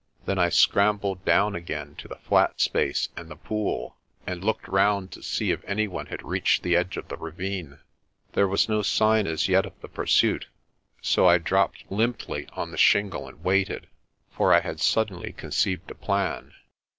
Then I scrambled down again to the flat space and the pool, and looked round to see if any one had reached the edge of the ravine. There was no sign as yet of the pursuit, so I dropped limply on the shingle and waited. For I had suddenly conceived a plan.